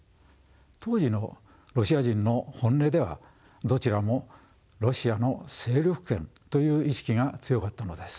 当時のロシア人の本音ではどちらもロシアの勢力圏という意識が強かったのです。